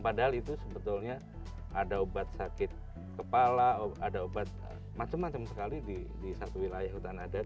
padahal itu sebetulnya ada obat sakit kepala ada obat macam macam sekali di satu wilayah hutan adat